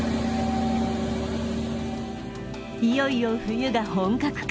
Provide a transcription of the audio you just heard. いよいよ冬が本格化。